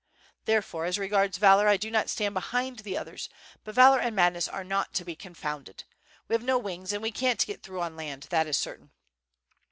Therefore, as regards valor I do not stand behind the others, but valor and madness are not to be confounded. We have no wings and we can't get through on land that is certain."